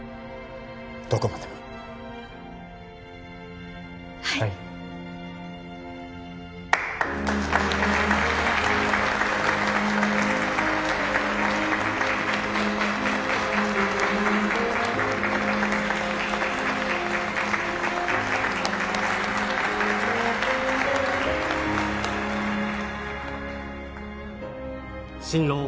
どこまでもはい新郎